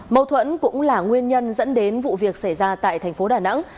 mâu thuẫn cũng là nguyên nhân dẫn đến vụ việc xảy ra tại thành phố đà nẵng